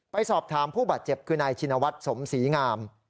ไปสอบถามผู้บาดเจ็บคือนายชินวัฒน์สมศรีงาม